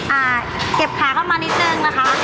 เก็บขาเข้ามานิดนึงนะคะ